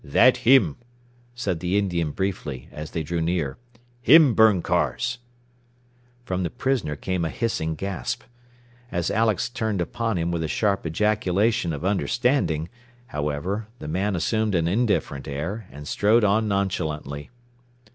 "That him!" said the Indian briefly as they drew near. "Him burn cars!" From the prisoner came a hissing gasp. As Alex turned upon him with a sharp ejaculation of understanding, however, the man assumed an indifferent air, and strode on nonchalantly.